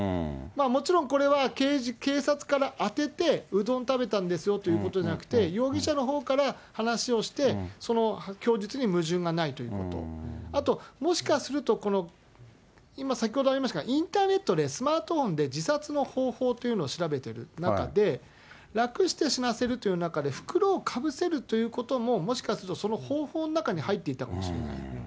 もちろんこれは警察から当てて、うどん食べたんですよということじゃなくて、容疑者のほうから話をして、その供述に矛盾がないということ、あと、もしかすると、今、先ほどありましたが、インターネットで、スマートフォンで、自殺の方法というのを調べてる中で、楽して死なせるという中で、袋をかぶせるということも、もしかするとその方法の中に入っていたかもしれない。